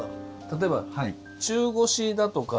例えば中腰だとか。